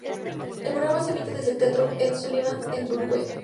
El programa se emite desde el Teatro Ed Sullivan en Broadway.